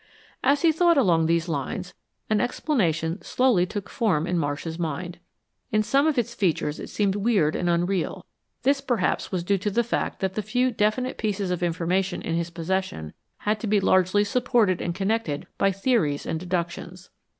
As he thought along these lines, an explanation slowly took form in Marsh's mind. In some of its features it seemed weird and unreal. This, perhaps, was due to the fact that the few definite pieces of information in his possession had to be largely supported and connected by theories and deductions.